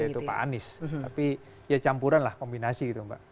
yaitu pak anies tapi ya campuran lah kombinasi gitu mbak